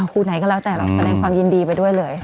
ครูไหนก็แล้วแต่เราแสดงความยินดีไปด้วยเลย